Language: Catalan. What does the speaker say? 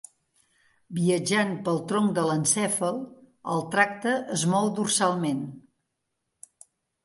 Viatjant pel tronc de l'encèfal, el tracte es mou dorsalment.